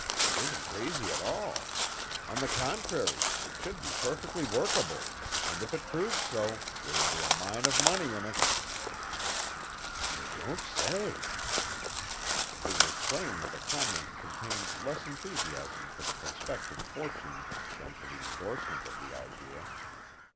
It isn't crazy at all. On the contrary, it should be perfectly workable, and if it proved so, there would be a mine of money in it." "You don't say!" It was plain that the comment contained less enthusiasm for the prospective fortune than for the indorsement of the idea.